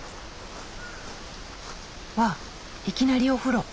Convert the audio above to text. わっいきなりお風呂。